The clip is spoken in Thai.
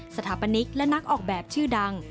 สถาปนิกและนักออกแบบชื่อดัง